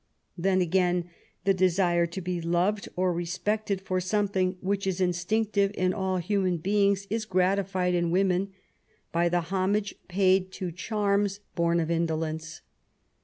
*' Then, again, the desire to be loved or respected for something, which is instinctive in all human beings, is gratified in women by the homage paid to charms THE BIGHTS OF WOMEN. 93 bom of indolence.